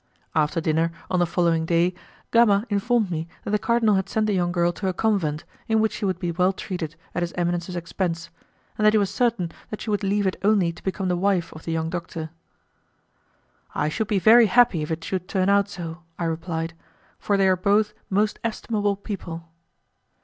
After dinner, on the following day, Gama informed me that the cardinal had sent the young girl to a convent in which she would be well treated at his eminence's expense, and that he was certain that she would leave it only to become the wife of the young doctor. "I should be very happy if it should turn out so," I replied; "for they are both most estimable people."